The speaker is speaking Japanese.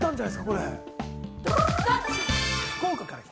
これ。